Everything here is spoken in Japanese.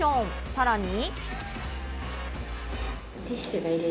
さらに。